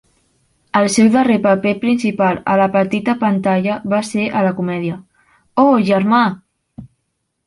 El seu darrer paper principal a la petita pantalla va ser a la comèdia Oh, Germà!